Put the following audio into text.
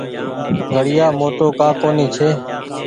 گهڙيآ موٽو ڪآ ڪونيٚ ڇي ۔